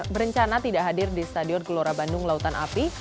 berencana tidak hadir di stadion gelora bandung lautan api